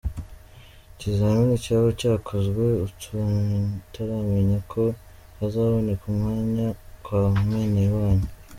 Ikizamini cyaba cyakozwe utaramenya ko hazaboneka umwanya kwa mwenewanyu.